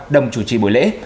đồng chủ trì buổi lễ